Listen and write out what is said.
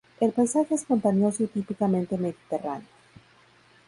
El paisaje es montañoso y típicamente mediterráneo.